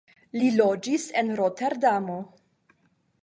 Li loĝis en Roterdamo.